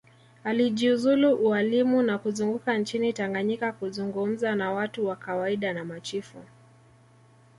Alijiuzulu ualimu na kuzunguka nchini Tanganyika kuzungumza na watu wa kawaida na machifu